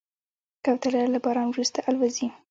کوتره له باران وروسته الوزي.